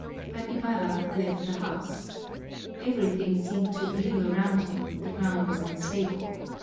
But Ibarra left the house. Everything seemed to reel around him, the ground was unstable.